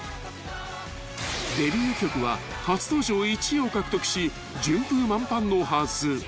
［デビュー曲は初登場１位を獲得し順風満帆のはず］